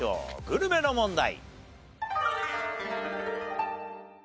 グルメの問題。